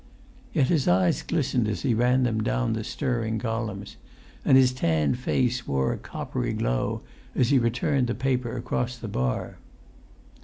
Yet his eyes glistened as he ran them down the stirring columns, and his tanned face wore a coppery glow as he returned the paper across the bar.